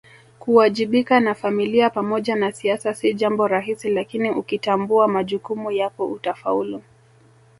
Kuwajibika na Familia pamoja na siasa si jambo rahisi lakini ukitambua majukumu yako utafaulu